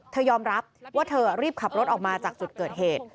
ยอมรับว่าเธอรีบขับรถออกมาจากจุดเกิดเหตุ